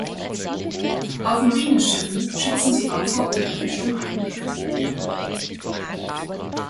Auf Marineschiffen schützen sie auch vor unerwünschtem Einblick.